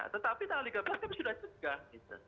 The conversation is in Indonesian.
tetapi tanggal tiga belas kami sudah segah